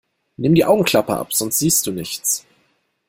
Nimm die Augenklappe ab, sonst siehst du nichts!